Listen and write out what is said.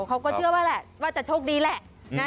เขาก็เชื่อว่าแหละว่าจะโชคดีแหละ